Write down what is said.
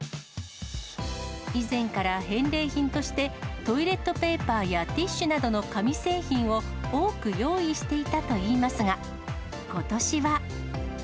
以前から返礼品としてトイレットペーパーやティッシュなどの紙製品を多く用意していたといいますが、ことしは。